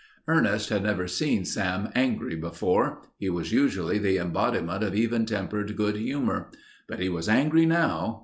Ernest had never seen Sam angry before; he was usually the embodiment of even tempered good humor. But he was angry now.